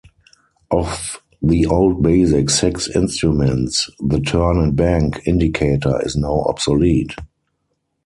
Of the old basic six instruments, the turn and bank indicator is now obsolete.